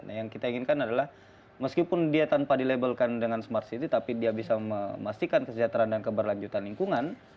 nah yang kita inginkan adalah meskipun dia tanpa dilabelkan dengan smart city tapi dia bisa memastikan kesejahteraan dan keberlanjutan lingkungan